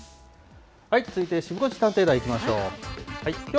続いて、シブ５時探偵団、いきましょう。